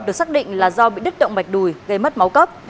được xác định là do bị đứt động mạch đùi gây mất máu cấp